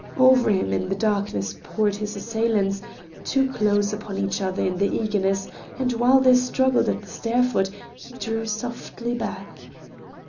Over him in the darkness poured his assailants, too close upon each other in their eagerness, and while they struggled at the stair foot he drew softly back.